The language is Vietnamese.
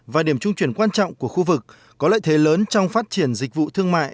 và điểm trung chuyển quan trọng của khu vực có lợi thế lớn trong phát triển dịch vụ thương mại